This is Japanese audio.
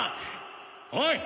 おい！